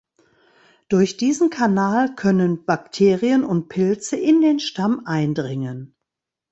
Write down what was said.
Durch diesen Kanal können Bakterien und Pilze in den Stamm eindringen.